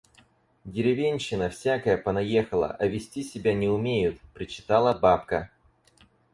«Деревенщина всякая понаехала, а вести себя не умеют» — причитала бабка.